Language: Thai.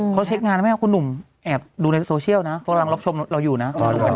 เขาเช็คงานนะแม่คุณหนุ่มแอบดูในโซเชียลนะกำลังรับชมเราอยู่นะ